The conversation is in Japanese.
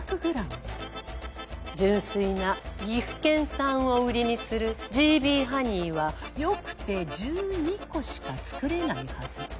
純粋な岐阜県産を売りにするＧＶハニーはよくて１２個しか作れないはず。